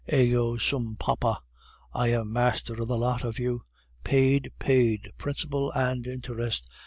Ego sum papa! I am master of the lot of you! Paid! paid, principal and interest!